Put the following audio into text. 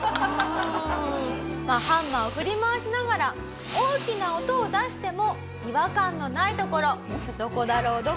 ハンマーを振り回しながら大きな音を出しても違和感のない所どこだろう？